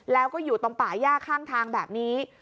แล้วก็อยู่ตรงป่าย่าข้างทางแบบนี้